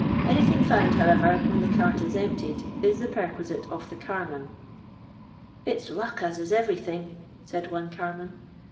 Any thing found, however, when the cart is omplieJ is the pi'rquisite of the carman. *' Iz'i luck as is everything ;'' said one carman.